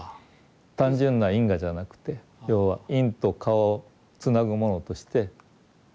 単純な因果じゃなくて要は因と果をつなぐものとして縁があると。